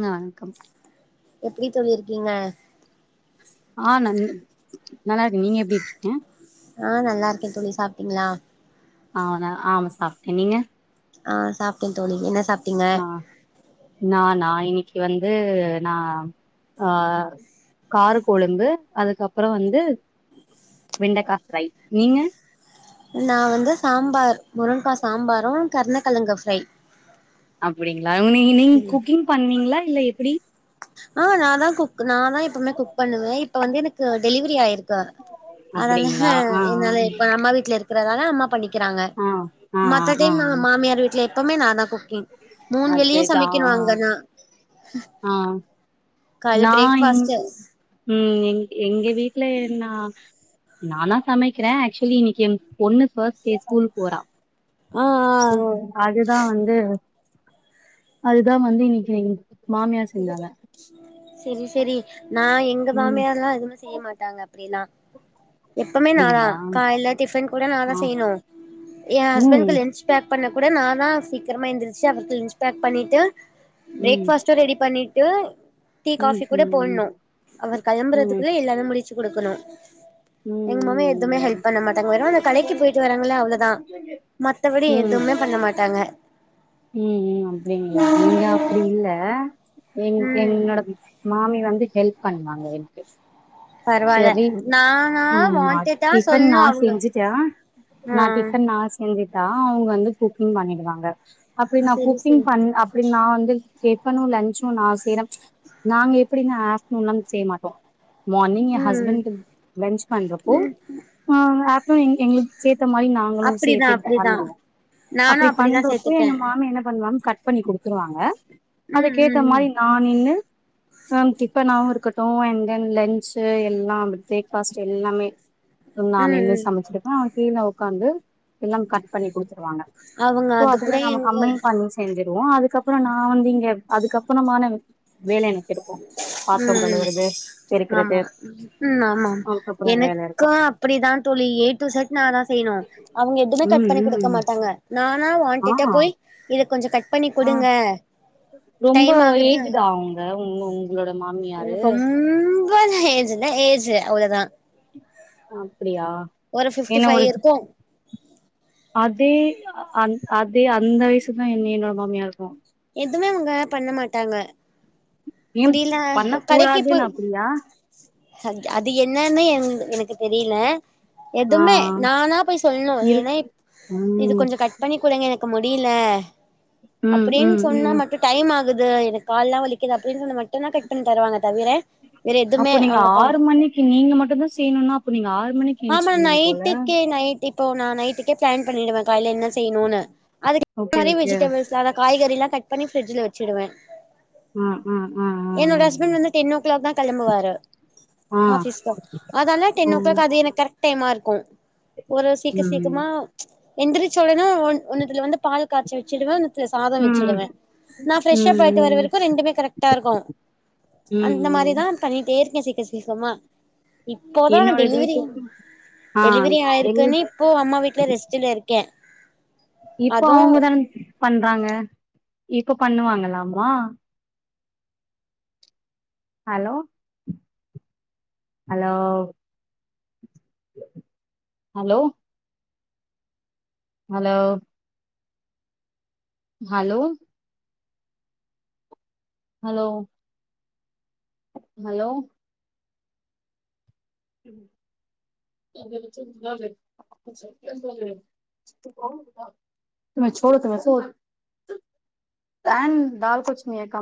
அ வண்க்கம் எப்டி தோழிருக்கீங்க ஆ நல்லா இருக்க நீங்க எப்டி இருக்கீங்க ஆ நல்லா இருக்க தோழி சாப்டீங்களா ஆதா ஆமா சாப்ட்ட நீங்க ஆ சாப்ட்ட தோழி என்ன சாப்டீங்க ந நா இன்னைக்கு வந்து நா ஆ கார கொழும்பு அதுக்கப்புற வந்து வெண்டக்கா ஃப்ரை நீங்க நா வந்து சாம்பார் முருங்கா சாம்பாரு கருணக்கழங்கு ஃப்ரை அப்டிங்களா நீ நீங்க குக்கிங் பண்ணீங்ளா இல்ல எப்டி ஆ நா தா குக் நா தா எப்பவுமே குக் பண்ணுவ இப்ப வந்து எனக்கு டெலிவரி ஆயிருக்கு அதனால அப்டிங்களா ஆ என்னால இப்ப அம்மா வீட்ல இருக் க்கிறனால அம்மா பண்ணிக்கிறாங்க ஆ ஆ ஆ மத்த ஆ டைம் ஆ மாமியார் வீட்ல எப்பமே நா தா குக் ம் மூண் வேலையு அதுதா சமைக்கனு ஆ அங்கன்னா ஆ காலைல நா இங் பிரேக்ஃபாஸ்ட்டு ம் எ எங்க வீட்ல நா நானா சமைக்கிற ஆக்சுவலி இன்னைக்கு பொண்ணு ஃபஸ்ட் டே ஸ்கூல் போறா ஆ சோ ஆ அதுதா வந்து அதுதா வந்து இன்னைக்கு எங் மாமியார் செஞ்சாங்க சரி சரி நா எங்க ம் மாமியாரல்லா எதுவு செய்ய மாட்டாங்க அப்டினா எப்பமே நாதா அப்டிங்களா காலைல டிஃபன் கூட நாதா ஆ செய்யணு எ ம் ஹஸ்பண்ட்க்கு லன்ச் பேக் பண்ண கூட நா தா சீக்கிரமா எந்திருச்சு அவருக்கு லன்ச் பேக் பண்ணிட்டு ம் பிரேக்ஃபாஸ்டு ரெடி பண்ணிட்டு டீ ம் ம் காஃபி கூட ம் ம் போணு அவர் கிளம்புறதுக்குள்ள எல்லாமே முடிச்சு குடுக்கணு ம் எங்க மாமா எதுமே ஹெல்ப் ம் பண்ண மாட்டாங்க வேணா ம் அந்த கடைக்கி போயிட்டு வராங்கள அவ்ளதா மத்தபடி எதுமே பண்ண மாட்டாங்க ம் ம் அப்டிங்ளா இங்க அப்டி இல்ல எங் ம் என்னோட மாமி வந்து ஹெல்ப் பண்ணுவாங்க என்க்கு பரவால்ல செரின் நானா ம் அ வாண்டடா டிஃபன் சொல்ணு நா அவங்க செஞ்சுட்டே ஆ நா டிஃபன் நா செஞ்சிட்டா அவுங்க வந்து குக்கிங் பண்ணிடுவாங்க அப்டி நா செரி குக்கிங் செரி பண் அப் அப்டி நா வந்து டிஃபனு லஞச்சு நா செய்றே நாங்க எப்டின்னா ஆஃப்டர்னுன்ல செய்ய மாட்டோ மார்னிங் எ ம் ஹஸ்பண்ட் லன்ச் பண்றோப்போ ஆ ஆஃப்டர்ன் எங்களுக்கு சேத்த மாரி நா ங்களு அப்டிதா செத்தே [unintelligible] அப்டிதா பண்ணுவோ நானு அப்டி அப்டிதா பண்றோப்போ சேத்துட்டே எங்க மாமி என்ன பண்ணுவாங்க கட் பண்ணிக்குடுப் த்துருவாங்க ம் அதுக்கேத்த ம் மாரி ம் நா நின்னு டிப்பனாவு இருக்கட்டு அண்ட் தென் லன்ச் டு எல்லா அந்த பிரேக்ஃபாஸ்ட் எல்லாமே ம் நானேந்து ம் சமச்சிருப்பே கீழ உக்காந்து எல்லா கட் பண்ணி குடுத்துருவாங்க அவங்க சோ அது கூட அதெல்லா நம்ம எங்க கம்பெனி கால் செஞ்சுருவோ அதுக்கப்பற நா வந்து இங்க அதுக்கப்பறமான வேல எனக்கு இருக்கு பாத்ரம் ம் ம் கழுவுறது பெருக்றது ஆமா ம் ஆமா எனக்கு இருக்கு அப்டிதா தோழி ஏ டு செட் நா தா செய்யணு அவுங்க எதுமே ம் கட் பண்ணி குடுக்க ம் மாட்டாங்க நானா ஆ வாண்டட்ட போய் இத கொஞ்சோ கட் பண்ணி ஆ குடுங்க ரொம்ப டைம் ஆகுது ஏஜ்ஜுடா அவுங்க உ உங்களோட மாமிய ரொம்ம்ம்ம்ப ஏஜ் இல்ல ஏஜ் அவ்ளதா அப்டியா ஒரு ஃபிப்டி என்ன ஃபைவ் ஒரு இருக்கு அதே அந் அதே அந்த வயசுதா என் என்னோட மாமியாருக்கு எதுமே அவுங்க பண்ண மாட்டாங்க ஏ முடில பண்ண கடைக்கி கூடாதுன்னு போய் அப்டியா அது என்னன்னு எனக் எனக்கு தெரியல ஆ எதுமே நானா போய் சொல்ணு இரு ஏனா இது ம் கொஞ்சோ கட் பண்ணி குடுங்க எனக்கு முடியல ம் அப்டின்னு ம் சொன்னா ம் மட்டுந் டைம் ஆகுது எனக்கு கால்லா வலிக்குது அப்டின்னு சொன்ன மட்டுந்தா கட் பண்ணி தருவாங்க தவிர வேற எதுமே அப்ப நீங்க அவங்க பா ஆறு மணிக்கி நீங்க மட்டுந்தா செய்யணுன்னா அப்ப நீங்க ஆறு மணிக்கு ஆமா எஞ்சிக்கனு போல நைட்டுக்கே நை இப்போ நா நைட்டுக்கே பிளான் பண்ணிடுவே கால்ல என்ன செய்யணுன்னு அது ஓகே மாதிரி ஓகே. வெஜிடபிள்ஸ் சாதம் காய்கறில்லா கட் பண்ணி ஃப்ட்ஜில வச்சிடுவே ம் ம் ம் ம் என்னோட ம் ம் ஹஸ்பண்ட் வந்து டென் ஓ கிளாக் தா கெளம்புவாரு அ. அ ஆபிஸ்கா அதானே டென் ஓ ம் கிளாக் அது எனக் கரெக்ட் டைம்மா இருக்கு ஒரு சீக்க ம். சீக்கிமா எந்திரிச்சோடனா ஒன்னத்துல வந்து பால் காய்ச்சு வச்சுடுவே சாத ம் வச்சுடுவே நா ஃப்ரெஷ்ஷப் ஆயிட்டு வர ம் வரைக்கு ரெண்டுமே கரெக்ட்டா இருக்கு அந்த ம் மாரிதா ம் பண்ணிட்டே இருக்கே சீக்கர சீக்கரமா இப்போதா என்னோட டெலிவரி வீட்டுக்கு ஆ டெலிவரி எல் ஆயிருக்குன்னு இப்போ அம்மா வீட்ல ரெஸ்ட்டில இருக்கே இப்ப அதுவு அவுங்கதானே பண்றாங்க இப்ப பண்ணுவாங்கல்லமா hello hello hello hello hello hello hello [unintelligible] சும்மா சோற் எத்துவா சோற் வேண் டால்கொச் மியக்கம்